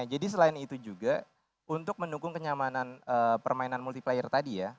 jadi selain itu juga untuk mendukung kenyamanan permainan multiplayer tadi ya